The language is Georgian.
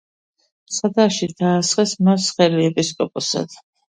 მცხეთაში დაასხეს მას ხელი ეპისკოპოსად.